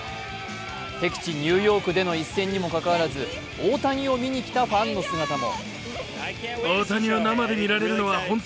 敵地・ニューヨークの一戦にもかかわらず大谷を見に来たファンの姿も。